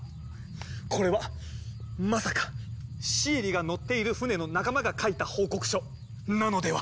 これはまさかシエリが乗っている船の仲間が書いた報告書なのでは？